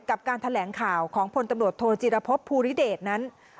การแถลงข่าวของพลตำรวจโทจิรพบภูริเดชนั้น